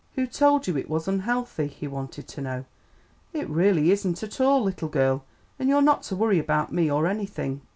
"Who told you it was unhealthy?" he wanted to know. "It really isn't at all, little girl, and you're not to worry about me or anything."